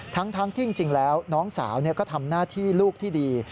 ทั้งที่จริงแล้วน้องสาวก็ทำหน้าที่ลูกที่ดี